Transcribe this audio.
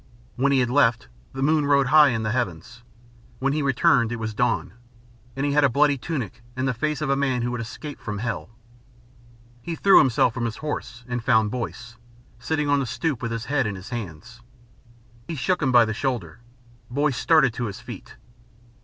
When he had left the moon rode high in the heavens; when he returned it was dawn and he had a bloody tunic and the face of a man who had escaped from hell. He threw himself from his horse and found Boyce, sitting on the stoep with his head in his hands. He shook him by the shoulder. Boyce started to his feet.